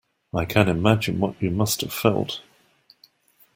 I can imagine what you must have felt.